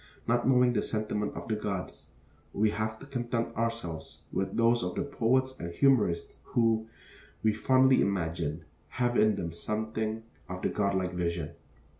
Not knowing the sentiments of the gods, we have to content ourselves with those of the poets and humorists who, we fondly imagine, have in them something of the god like vision.